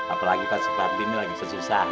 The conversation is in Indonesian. apalagi pak subadi ini lagi sesusahan